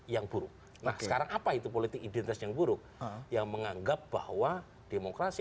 yang buruk nah sekarang apa itu politik identitas yang buruk yang menganggap bahwa demokrasi